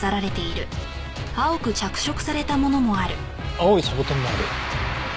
青いサボテンもある。